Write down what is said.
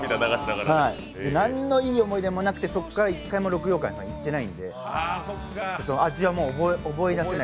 なんのいい思い出もなくて、そこから１回も六曜舘さんに行っていないので、味はもう思い出せない。